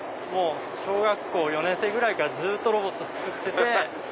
小学校４年生ぐらいからずっとロボットを作ってて。